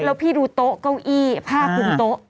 แล้วพี่ดูโต๊ะเก้าอี้ผ้าคุมโต๊ะ